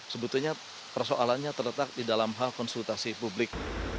sebetulnya persoalannya terletak di dalam hal konsultasi publik